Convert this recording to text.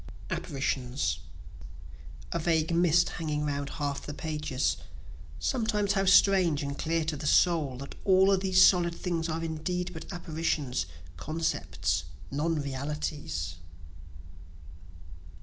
Apparitions A vague mist hanging 'round half the pages: (Sometimes how strange and clear to the soul, That all these solid things are indeed but apparitions, concepts, non realities.)